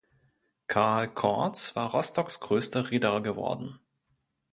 Carl Cords war Rostocks größter Reeder geworden.